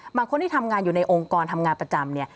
บางคนที่ทำงานอยู่ในองค์กรทำงานประจำเนี่ย